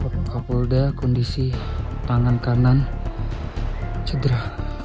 pak kapolda kondisi tangan kanan cedera